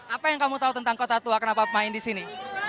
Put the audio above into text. apa yang kamu tahu tentang kota tua kenapa main di sini